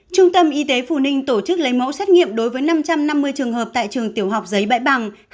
trung tâm y tế phù ninh tổ chức lấy mẫu xét nghiệm đối với năm trăm năm mươi trường hợp tại trường tiểu học giấy bãi bằng